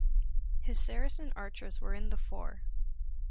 His Saracen archers were in the fore.